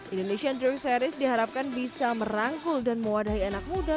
indonesian drift series diharapkan bisa merangkul dan mewadahi anak muda